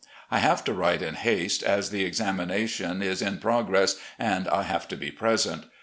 I have to write in haste, as the examination is in progress, and I have to be present.